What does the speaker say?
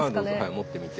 持ってみて。